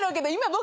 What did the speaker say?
僕